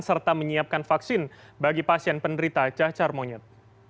serta menyiapkan vaksin bagi pasien penderita cacar monyet